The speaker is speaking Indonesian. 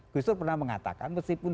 gustur pernah mengatakan meskipun